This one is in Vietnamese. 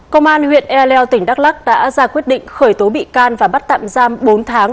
công an huyện e leo tỉnh đắk lắc đã ra quyết định khởi tố bị can và bắt tạm giam bốn tháng